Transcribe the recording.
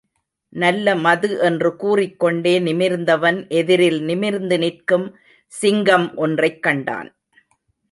நல்ல மது என்று கூறிக்கொண்டே நிமிர்ந்தவன் எதிரில் நிமிர்ந்து நிற்கும் சிங்கம் ஒன்றைக் கண்டான்.